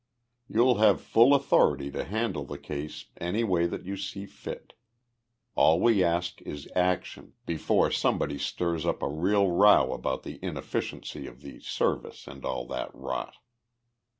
You'll have full authority to handle the case any way that you see fit. All we ask is action before somebody stirs up a real row about the inefficiency of the Service and all that rot."